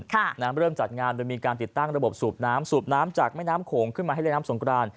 เริ่มจัดงานโดยมีการติดตั้งระบบสูบน้ำสูบน้ำจากแม่น้ำโขงขึ้นมาให้เล่นน้ำสงกราน